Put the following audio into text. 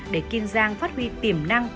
để kim giang phát huy tiềm năng